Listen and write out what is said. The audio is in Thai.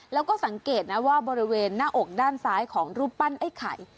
แล้วก็สังเกตนะว่าบริเวณหน้าอกด้านซ้ายของรูปปั้นไอ้ไข่